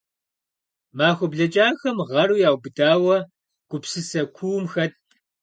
Махуэ блэкӏахэм гъэру яубыдауэ, гупсысэ куум хэтт.